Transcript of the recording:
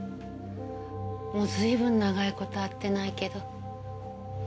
もう随分長い事会ってないけど。